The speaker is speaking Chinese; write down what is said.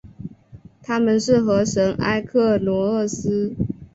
她们是河神埃克罗厄斯。